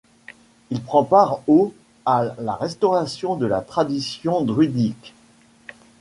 Il prend part au à la restauration de la tradition druidique.